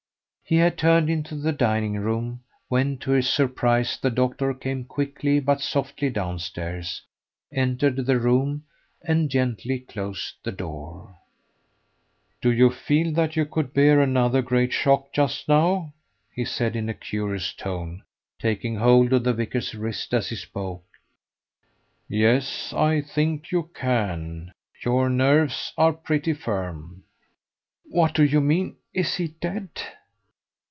He had turned into the dining room, when to his surprise the doctor came quickly but softly downstairs, entered the room, and gently closed the door. "Do you feel that you could bear another great shock just now?" he said in a curious tone, taking hold of the vicar's wrist as he spoke. "Yes, I think you can; your nerves are pretty firm." "What do you mean? Is he dead?"